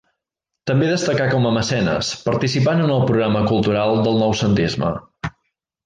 També destacà com a mecenes, participant en el programa cultural del Noucentisme.